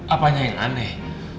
apanya yang aneh